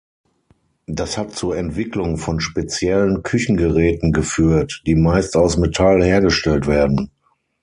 Das hat zur Entwicklung von speziellen Küchengeräten geführt, die meist aus Metall hergestellt werden.